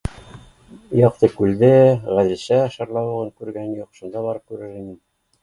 Яҡтыкүлде, Ғәҙелшә шарлауығын күргән юҡ, шунда барып күрер инем